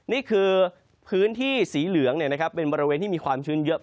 นี่คือพื้นที่สีเหลืองเป็นบริเวณที่มีความชื้นเยอะ